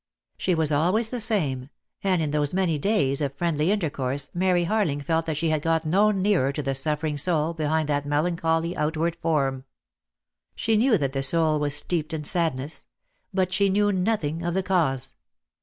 She was always the same, and in those many days of friendly intercourse Mary Harling felt that she had got no nearer to the suffering soul behind that melancholy outward form. She knew that the soul was steeped in sadness; but she knew nothing of the cause.